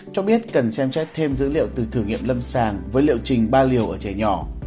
cho biết cần xem xét thêm dữ liệu từ thử nghiệm lâm sàng với liệu trình ba liều ở trẻ nhỏ